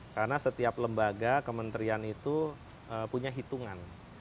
karena setiap lembaga kementerian itu punya hitungan